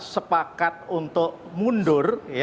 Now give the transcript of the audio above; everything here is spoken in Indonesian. sepakat untuk mundur